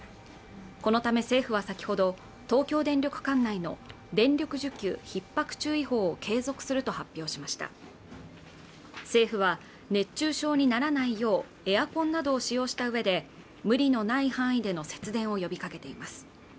このため政府は先ほど東京電力管内の電力需給ひっ迫注意報を継続すると発表しました政府は熱中症にならないようエアコンなどを使用したうえで無理のない範囲での節電を呼びかけています